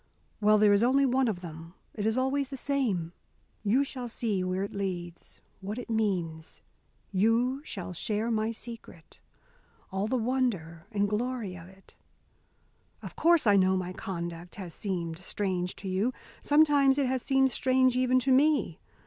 Well, there is only one of them. It is always the same. You shall see where it leads, what it means. You shall share my secret all the wonder and glory of it! Of course I know my conduct, has seemed strange to you. Sometimes it has seemed strange even to me.